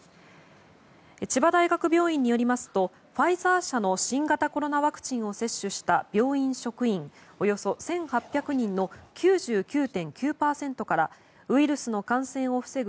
千葉大学病院によりますとファイザー社の新型コロナワクチンを接種した病院職員およそ１８００人の９９．９％からウイルスの感染を防ぐ